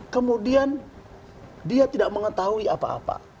kemudian dia tidak mengetahui apa apa